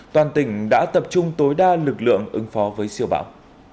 toàn tỉnh đã tập trung tối đa lực lượng ứng phó với siêu bão